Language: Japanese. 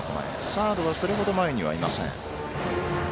サードはそれほど前にはいません。